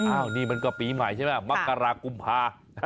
นี่มันก็ปีใหม่ใช่ไหมมักกรากุมภา